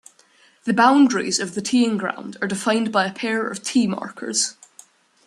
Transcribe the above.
The boundaries of the teeing ground are defined by a pair of tee markers.